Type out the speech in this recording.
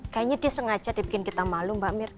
kayaknya dia sengaja dibikin kita malu mbak mirna